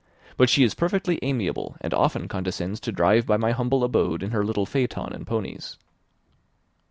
But she is perfectly amiable, and often condescends to drive by my humble abode in her little phaeton and ponies."